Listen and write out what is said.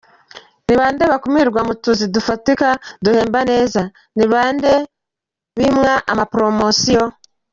– Ni bande bakumirwa mu tuzi dufatika, duhemba neza, ni bande bimwa amapromotions?